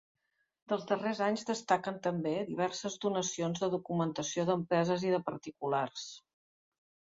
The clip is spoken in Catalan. Dels darrers anys destaquen també diverses donacions de documentació d'empreses i de particulars.